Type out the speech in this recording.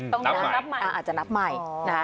ต้องนับใหม่อาจจะนับใหม่นะคะ